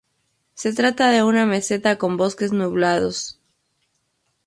Se trata de una meseta con bosques nublados.